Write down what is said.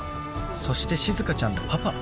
そしてしずかちゃんのパパ？